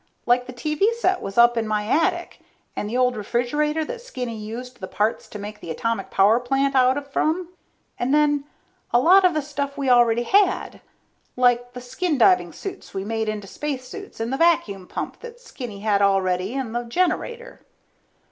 Like the TV set was up in my attic, and the old refrigerator that Skinny used the parts to make the atomic power plant out of from. And then, a lot of the stuff we already had. Like the skin diving suits we made into spacesuits and the vacuum pump that Skinny had already and the generator.